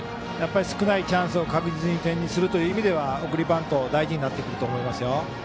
やっぱり少ないチャンスを確実に点にするという点では送りバント大事になってくると思いますよ。